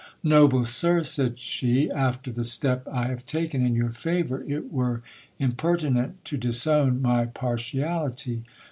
Noble sir, said she, after the step I have taken in your favour it were imper tinent to disown my partiality.